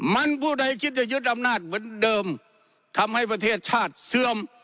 มันผู้ใดคิดจะยึดอำนาจเหมือนเดิมทำให้ประเทศชาติเสื่อม